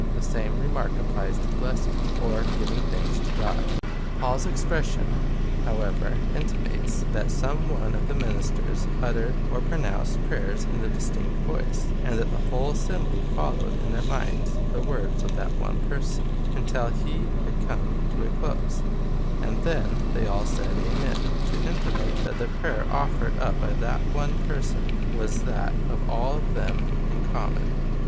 The same remark applies to bles sing, or giving thanks to God.'' Paul's expression, however, intimates,^ that some one of the ministers uttered or pronounced prayers in a distinct voice, and that the whole assembly followed in their minds the words of that one person, until he had come to a close, and then they all said Amen — to intimate, that the prayer offered up by that one person was that of all of them in common.